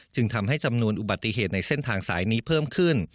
ทำให้จำนวนอุบัติเหตุในเส้นทางสายนี้เพิ่มขึ้น